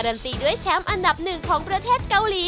ันตีด้วยแชมป์อันดับหนึ่งของประเทศเกาหลี